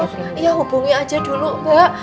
tolong ya hubungi aja dulu mbak